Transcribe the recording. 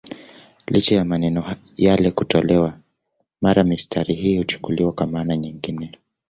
Licha ya maneno yale kutolewa, mara mistari hii huchukuliwa kwa maana nyingine.